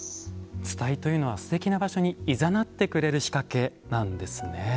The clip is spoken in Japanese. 伝いというものはすてきな場所にいざなってくれる仕掛けなんですね。